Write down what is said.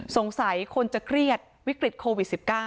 สงสัยคนจะเครียดวิกฤตโควิด๑๙